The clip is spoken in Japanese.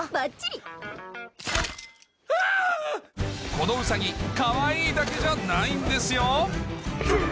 このウサギかわいいだけじゃないんですようっ！